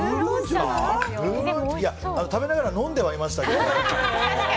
食べながら飲んではいましたけど。